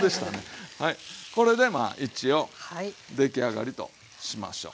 これでまあ一応出来上がりとしましょう。